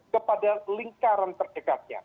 kepada lingkaran terdekatnya